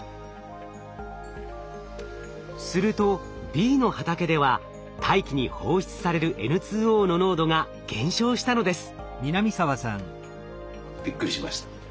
するとＢの畑では大気に放出されるＮＯの濃度が減少したのです。